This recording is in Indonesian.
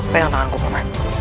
pegang tanganku paman